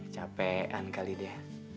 capekan kali dia